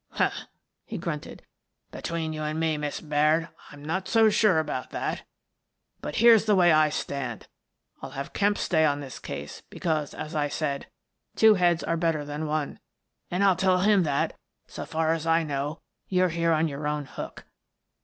"Huh," he grunted. " Between you and me, Miss Baird, I'm not so sure about that But here's the way I stand : Til have Kemp stay on this case, because, as I said, two heads are better than one. And I'll tell him that, so far as I know, you're here on your own hook.